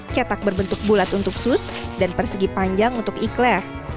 cetak berbentuk bulat untuk sus dan persegi panjang untuk ikhlas